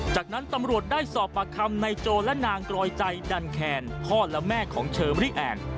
จากนั้นตำรวจได้สอบปากคำในโจและนางกรอยใจดันแคนพ่อและแม่ของเชอรี่แอน